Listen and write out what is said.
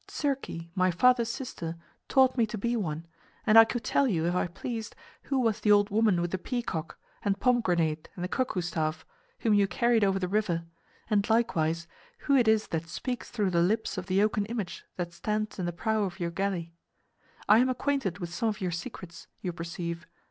Circe, my father's sister, taught me to be one, and I could tell you, if I pleased, who was the old woman with the peacock, the pomegranate and the cuckoo staff, whom you carried over the river; and likewise, who it is that speaks through the lips of the oaken image that stands in the prow of your galley. I am acquainted with some of your secrets, you perceive.